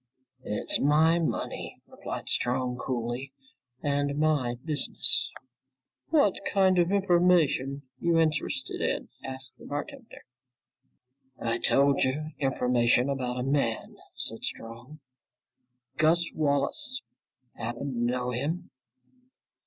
"It's my money," replied Strong coolly, "and my business!" "What kind of information you interested in," asked the bartender. "I told you, information about a man," said Strong. "Gus Wallace. Happen to know him?"